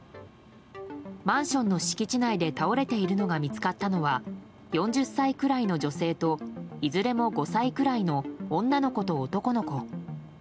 マンションの敷地内で倒れているのが見つかったのは４０歳くらいの女性といずれも５歳くらいの女の子と男の子。